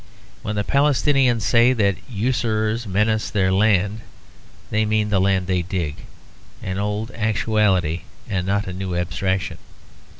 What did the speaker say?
When the Palestinians say that usurers menace their land they mean the land they dig; an old actuality and not a new abstraction.